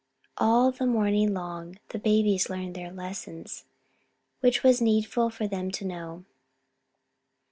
All the morning long the babies learned their lessons which it was needful for them to know.